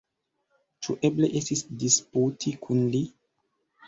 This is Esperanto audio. Ĉu eble estis disputi kun li?